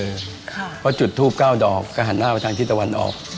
เพราะจุดทูบ๙ดอกก็หันหน้าไปทางที่ตะวันออก